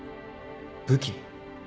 武器？